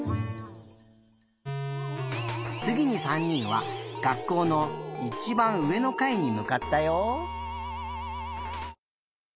つぎに３にんは学校のいちばんうえのかいにむかったよ。